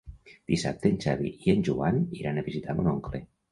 Dissabte en Xavi i en Joan iran a visitar mon oncle.